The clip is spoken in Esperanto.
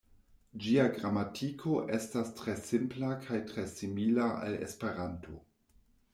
Ĝia gramatiko estas tre simpla kaj tre simila al Esperanto.